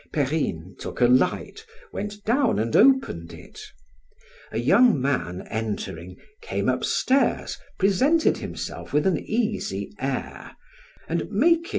Perrine took a light, went down and opened it: a young man entering, came upstairs, presented himself with an easy air, and making M.